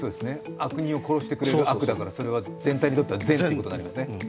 悪人を殺してくれる悪だから、全体にとっては善ということですね。